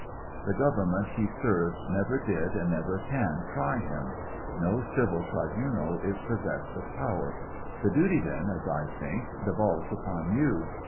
The government he served never did and never can try himj no civil tribu nal is possessed of power; the duty then, as I think, devolves upon you.